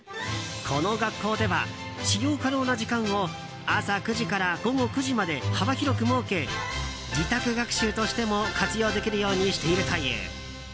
この学校では使用可能な時間を朝９時から午後９時まで幅広く設け自宅学習としても活用できるようにしているという。